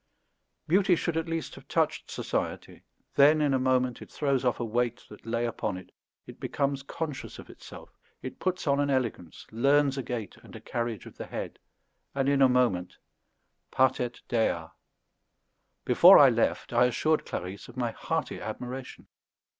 Beauty should at least have touched society; then, in a moment, it throws off a weight that lay upon it, it becomes conscious of itself, it puts on an elegance, learns a gait and a carriage of the head, and, in a moment, patet dea. Before I left I assured Clarisse of my hearty admiration.